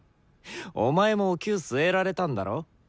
お前もおきゅう据えられたんだろ？